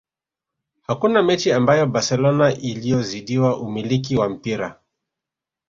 hakuna mechi ambayo barcelona aliyozidiwa umiliki wa mpira